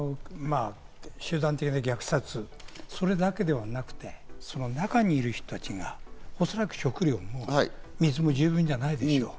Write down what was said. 集団的な虐殺、それだけではなくて、その中にいる人たちが、おそらく食料も水も十分じゃないでしょう。